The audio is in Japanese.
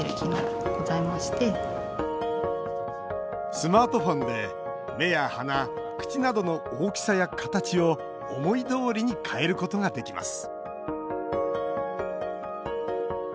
スマートフォンで目や鼻口などの大きさや形を思いどおりに変えることができます